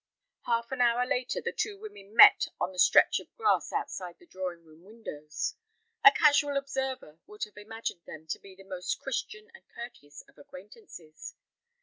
Half an hour later the two women met on the stretch of grass outside the drawing room windows. A casual observer would have imagined them to be the most Christian and courteous of acquaintances.